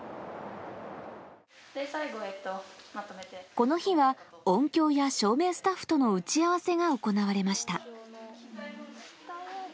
この日は音響や照明スタッフとの打ち合わせが行われました。